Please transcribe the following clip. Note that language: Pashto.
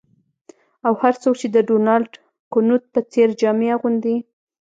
او هر څوک چې د ډونالډ کنوت په څیر جامې اغوندي